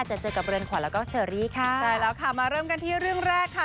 เจอเจอกับเรือนขวัญแล้วก็เชอรี่ค่ะใช่แล้วค่ะมาเริ่มกันที่เรื่องแรกค่ะ